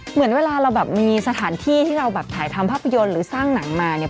เหมือนเวลาเราแบบมีสถานที่ที่เราแบบถ่ายทำภาพยนตร์หรือสร้างหนังมาเนี่ย